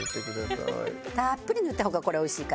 たっぷり塗った方がこれ美味しいからね。